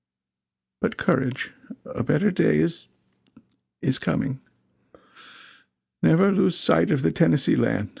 But courage! A better day is is coming. Never lose sight of the Tennessee Land!